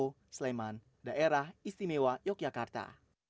mas leman daerah istimewa yogyakarta